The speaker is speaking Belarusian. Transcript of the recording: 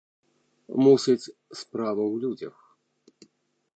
Мусіць, справа ў людзях.